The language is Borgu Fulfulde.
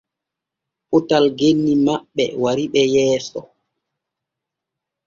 Potal genni maɓɓe wariɓe yeeso.